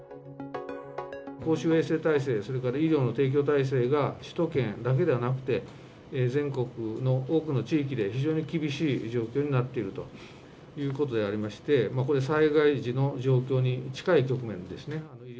公衆衛生体制、それから医療の提供体制が、首都圏だけではなくて、全国の多くの地域で非常に厳しい状況になっているということになりまして、これ災害時の状況に近い局面ですね。